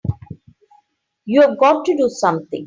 You've got to do something!